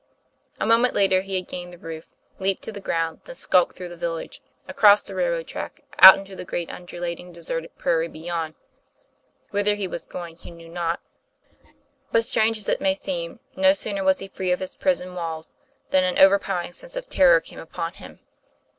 A moment later, he had gained the roof, leaped to the ground, then skulked through the village, across the rail road track, out into the great undulating, deserted prairie beyond. Whither he was going he knew not. But, strange 248 TOM PLAY FAIR. as it may seem, no sooner was he free of his prison walls than an overpowering sense of terror came upon him.